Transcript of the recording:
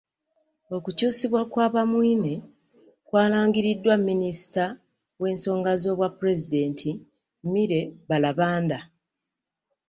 Okukyusibwa kwa Bamwine kyalangiriddwa minisita w'ensonga z'obwa pulezidenti, Milly Babalanda.